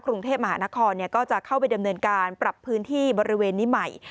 กรุงเทพมหานครก็จะเข้าไปดำเนินการปรับพื้นที่บริเวณนี้ใหม่